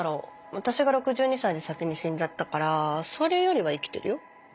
私が６２歳で先に死んじゃったからそれよりは生きてるよ。